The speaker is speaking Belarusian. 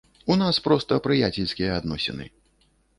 У нас проста прыяцельскія адносіны.